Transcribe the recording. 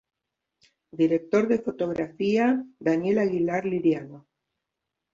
Director de fotografía: Daniel Aguilar Liriano.